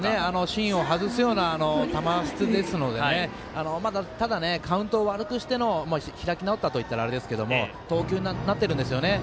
芯を外すような球質ですのでカウントを悪くして開き直ったといったらあれですけど投球になってるんですよね。